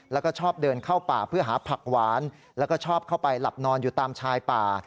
แล้วก็ชอบเดินเข้าป่าเพื่อหาผักหวานแล้วก็ชอบเข้าไปหลับนอนอยู่ตามชายป่า